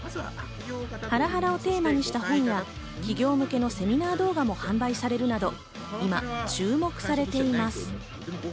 ハラハラをテーマにした本や、企業向けのセミナー動画も販売されるなど、今、注目されています。